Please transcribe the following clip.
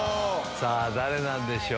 さあ、誰なんでしょう。